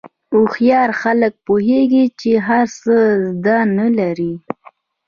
هوښیار خلک پوهېږي چې هر څه زده نه لري.